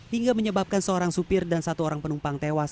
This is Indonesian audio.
hingga menyebabkan seorang supir dan satu orang penumpang tewas